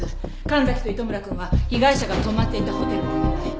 神崎と糸村くんは被害者が泊まっていたホテルをお願い。